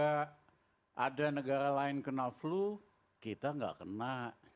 kalau ada negara lain kena flu kita nggak kena